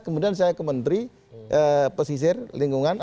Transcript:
kemudian saya ke menteri pesisir lingkungan